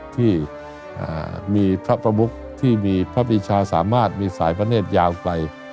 ที่มีพระประมุกที่มีพระปริชาสามารถมีสายพระเนธยาวไป